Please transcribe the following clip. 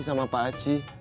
sama pak haji